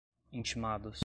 intimados